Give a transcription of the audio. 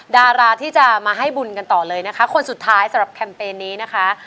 ดาราที่จะมาให้บุญกันต่อเลยนะคะคนสุดท้ายสำหรับแคมเปญนี้นะคะ